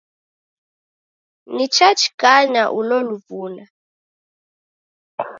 Nichachikanya ulo luvuna